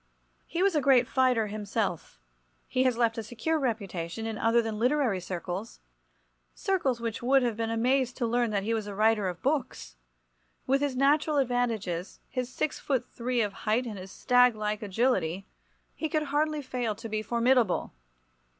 He was a great fighter himself. He has left a secure reputation in other than literary circles—circles which would have been amazed to learn that he was a writer of books. With his natural advantages, his six foot three of height and his staglike agility, he could hardly fail to be formidable.